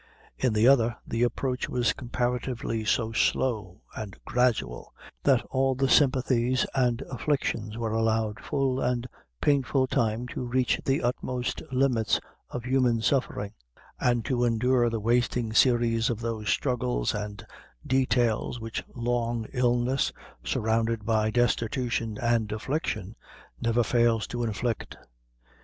In the other, the approach was comparatively so slow and gradual, that all the sympathies and afflictions were allowed full and painful time to reach the utmost limits of human suffering, and to endure the wasting series of those struggles and details which long illness, surrounded by destitution and affliction, never fails to inflict.